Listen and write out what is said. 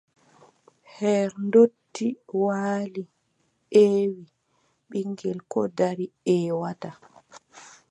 Her ndotti waali ƴeewi, ɓiŋngel koo dari ƴeewataa.